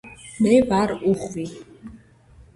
მე ვარ უხვი